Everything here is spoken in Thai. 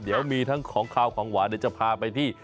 เดี๋ยวมีทั้งของขาวของหวานเดี๋ยวจะพาไปที่